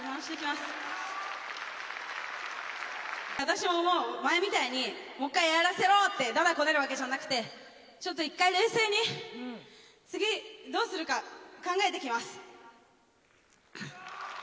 私ももう、前みたいに、もっかいやらせろって、だだこねるわけじゃなくて、ちょっと一回冷静に、次、どうするか、考えてきます。